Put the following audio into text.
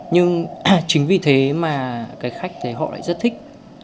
nhưng chính vì thế mà cái khách thì họ lại rất thích